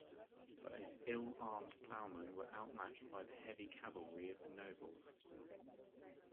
But his ill-armed ploughmen were outmatched by the heavy cavalry of the nobles.